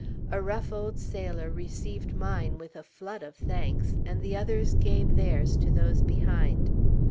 A rough old sailor received mine with a flood of thanks, and the others gave theirs to those behind.